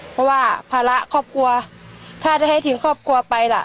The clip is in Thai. เพราะว่าภาระครอบครัวถ้าได้ให้ทีมครอบครัวไปล่ะ